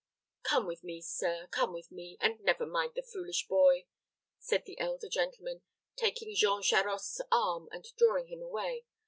"Come with me, sir; come with me, and never mind the foolish boy," said the elder gentleman, taking Jean Charost's arm, and drawing him away.